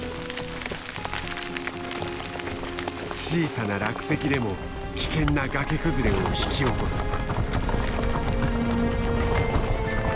小さな落石でも危険な崖崩れを引き起こす。